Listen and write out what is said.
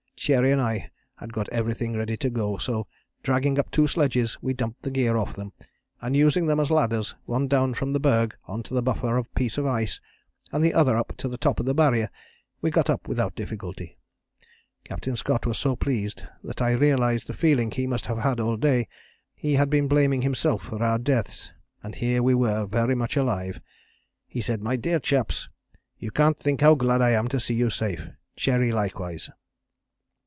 Cherry and I had got everything ready, so, dragging up two sledges, we dumped the gear off them, and using them as ladders, one down from the berg on to the buffer piece of ice, and the other up to the top of the Barrier, we got up without difficulty. Captain Scott was so pleased, that I realized the feeling he must have had all day. He had been blaming himself for our deaths, and here we were very much alive. He said: 'My dear chaps, you can't think how glad I am to see you safe Cherry likewise.'